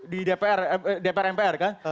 di dpr mpr kan